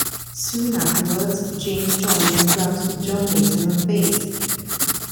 Soon afterwards, James joined on drums with John Mason on bass.